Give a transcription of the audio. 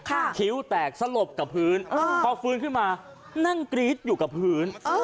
คิ้วแตกสลบกับพื้นพอฟื้นขึ้นมานั่งกรี๊ดอยู่กับพื้น